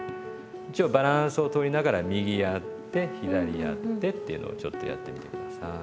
一応バランスを取りながら右やって左やってっていうのをちょっとやってみて下さい。